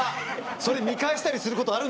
それ見返したりすることあるんですか？